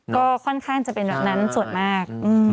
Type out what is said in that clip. ก็ค่อนข้างจะเป็นแบบนั้นส่วนมาก